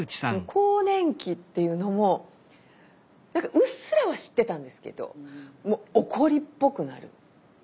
更年期っていうのも何かうっすらは知ってたんですけど怒りっぽくなる。